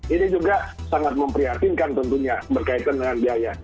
ini juga sangat memprihatinkan tentunya berkaitan dengan biaya